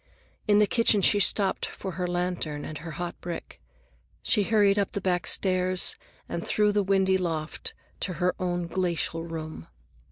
In the kitchen she stopped for her lantern and her hot brick. She hurried up the back stairs and through the windy loft to her own glacial room.